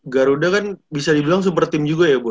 garuda kan bisa dibilang super team juga ya bu